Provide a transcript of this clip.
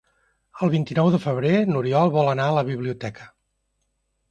El vint-i-nou de febrer n'Oriol vol anar a la biblioteca.